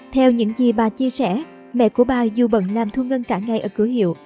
theo những gì bà chia sẻ mẹ của bà dù bận làm thu ngân cả ngày ở cửa hiệu